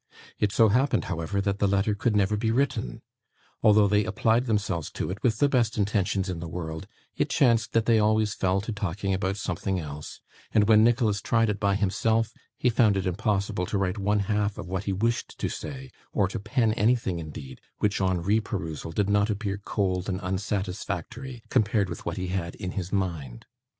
It so happened, however, that the letter could never be written. Although they applied themselves to it with the best intentions in the world, it chanced that they always fell to talking about something else, and when Nicholas tried it by himself, he found it impossible to write one half of what he wished to say, or to pen anything, indeed, which on reperusal did not appear cold and unsatisfactory compared with what he had in his mind.